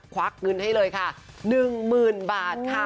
วักเงินให้เลยค่ะ๑๐๐๐บาทค่ะ